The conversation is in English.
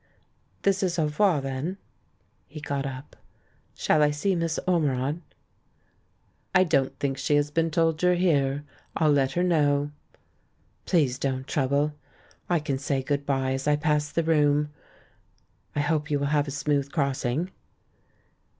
"This is au revoir, then?" He got up. "Shall I see Miss Ormerod?" "I don't think she has been told you're here. I'll let her know." "Please don't trouble! I can say 'good bye' as I pass the room. I hope you will have a smooth crossing."